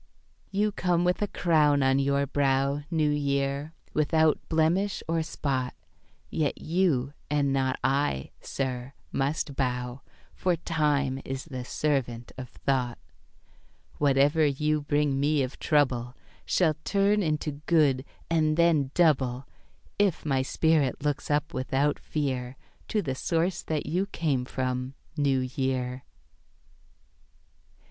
You come with a crown on your brow, New Year, without blemish or spot; Yet you, and not I, sir, must bow, For time is the servant of thought Whatever you bring me of trouble Shall turn into good, and then double, If my spirit looks up without fear To the Source that you came from, New Year.